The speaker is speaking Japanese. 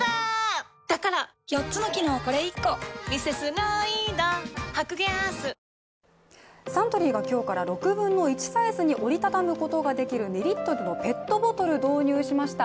カルビー「ポテトデラックス」サントリーが今日から６分の１サイズに折りたたむことができる２リットルのペットボトルを導入しました。